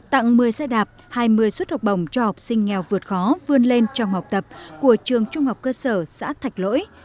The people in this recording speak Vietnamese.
tặng một mươi xe đạp hai mươi suất học bổng cho học sinh nghèo vượt khó vươn lên trong học tập của trường trung học cơ sở xã thạch lỗi